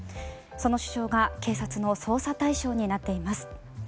その首相が警察の捜査対象になっています。